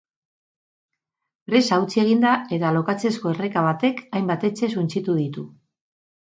Presa hautsi egin da eta lokatzezko erreka batek hainbat etxe suntsitu ditu.